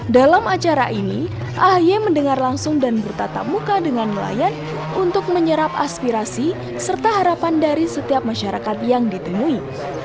dalam acara ini ahy mendengar langsung dan bertatap muka dengan nelayan untuk menyerap aspirasi serta harapan dari setiap masyarakat yang ditemui